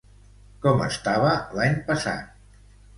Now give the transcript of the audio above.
Com estava l'any passat?